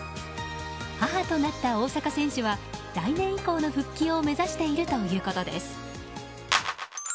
母となった大坂選手は来年以降の復帰を目指しているということです。